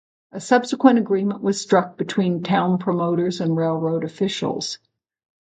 A subsequent agreement was struck between town promoters and railroad officials.